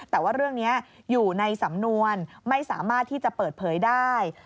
แต่ว่าเรื่องนี้อยู่ในสำนวนไม่สามารถที่จะเปิดเผยได้